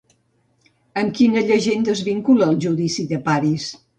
Amb quina llegenda es vincula el Judici de Paris?